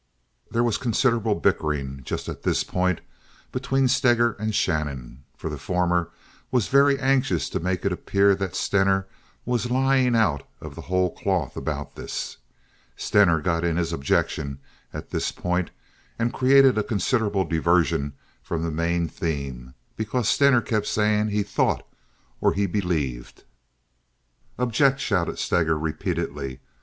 There was considerable bickering just at this point between Steger and Shannon, for the former was very anxious to make it appear that Stener was lying out of the whole cloth about this. Steger got in his objection at this point, and created a considerable diversion from the main theme, because Stener kept saying he "thought" or he "believed." "Object!" shouted Steger, repeatedly.